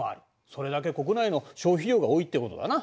それだけ国内の消費量が多いってことだな。